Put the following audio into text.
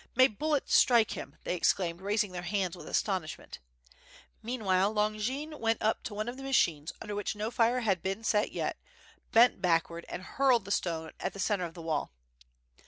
May bullets strike him!" they ex claimed, raising their hands with astonishment. Meanwhile Longin went up to one of the machines under which no fire had been set yet, bent backward, and hurled the stone at the centre of the wall.